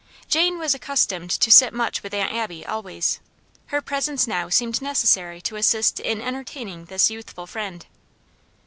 Jane was accustomed to sit much with Aunt Abby always; her presence now seemed necessary to assist in entertaining this youthful friend.